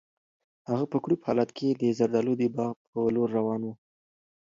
هغه په کړوپ حالت کې د زردالو د باغ په لور روان و.